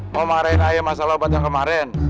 mau marahin ayah masalah obat yang kemarin